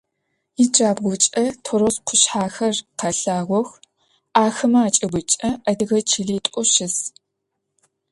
Иджабгъукӏэ Торос къушъхьэхэр къэлъагъох, ахэмэ акӏыбыкӏэ адыгэ чылитӏу щыс.